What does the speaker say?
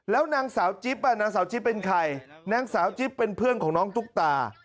แล้วนางสาวจิ๊บนางสาวจิ๊บเป็นใครนางสาวจิ๊บเป็นเพื่อนของน้องตุ๊กตา